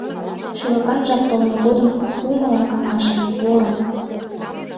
Шӱлыкан жап толмо годым пу мылам каҥашым, порым.